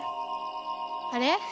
・あれ？